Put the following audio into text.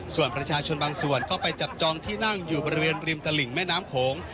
ส่วนประชาชนบางส่วนก็ไปจับจองที่นั่งอยู่บริเวณริมตลิ่งแม่น้ำโขง